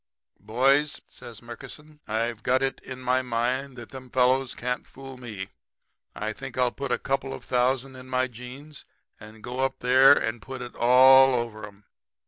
"'Boys,' says Murkison, 'I've got it in my mind that them fellows can't fool me. I think I'll put a couple of thousand in my jeans and go up there and put it all over 'em.